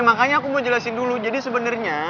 makanya aku mau jelasin dulu jadi sebenarnya